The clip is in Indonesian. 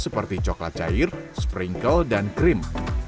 seperti coklat cair sprinkle dan krim